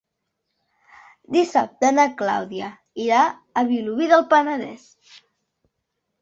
Dissabte na Clàudia irà a Vilobí del Penedès.